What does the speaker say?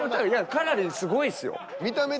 かなりすごいですよ。